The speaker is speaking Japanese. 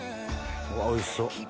うわおいしそう！